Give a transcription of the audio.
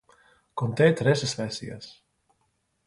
Conté tres espècies.